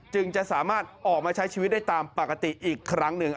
จึงจะสามารถออกมาใช้ชีวิตได้ตามปกติอีกครั้งหนึ่ง